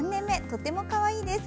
とってもかわいいです。